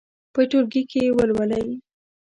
په ټولګي کې یې ولولئ.